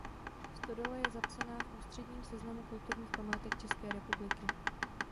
Stodola je zapsaná v Ústředním seznamu kulturních památek České republiky.